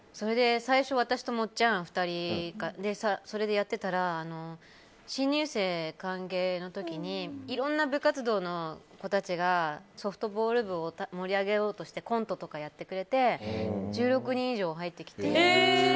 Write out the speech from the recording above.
最初は私と基ちゃん２人でそれでやってたら新入生歓迎の時にいろんな部活動の子たちがソフトボール部を盛り上げようとしてくれてコントとかやってくれて１６人以上入ってきて。